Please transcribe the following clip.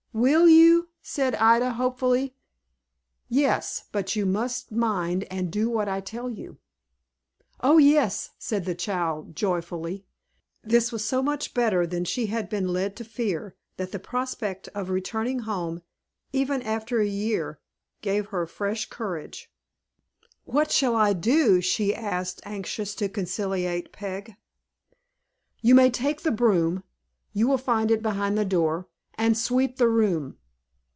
"Will you?" said Ida, hopefully. "Yes. But you must mind and do what I tell you." "O yes," said the child, joyfully. This was so much better than she had been led to fear, that the prospect of returning home, even after a year, gave her fresh courage. "What shall I do?" she asked, anxious to conciliate Peg. "You may take the broom, you will find it just behind the door, and sweep the room."